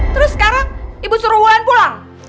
terus sekarang ibu suruh wuhan pulang